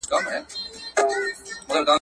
سپکاوی تر اندازې تېر سو د مړو.